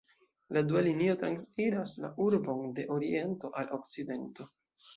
La dua linio transiras la urbon de oriento al okcidento.